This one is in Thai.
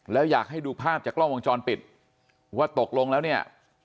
แล้วอยากให้ดูภาพจากกล้องวงจรปิดว่าตกลงแล้วเนี่ย